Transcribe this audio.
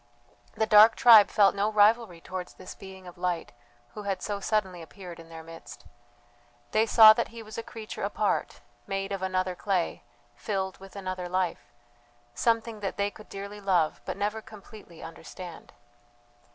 The dark tribe felt no rivalry towards this being of light who had so suddenly appeared in their midst. They saw that he was a creature apart, made of another clay, filled with another life; something that they could dearly love, but never completely understand.